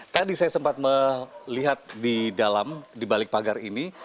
tadi saya sempat melihat di dalam di balik pagar ini